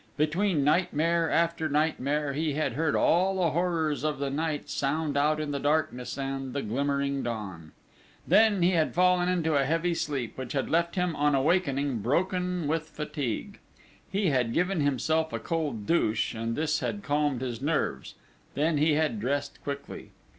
Between nightmare after nightmare he had heard all the horrors of the night sound out in the darkness and the glimmering dawn. Then he had fallen into a heavy sleep, which had left him on awaking broken with fatigue. He had given himself a cold douche, and this had calmed his nerves; then he had dressed quickly.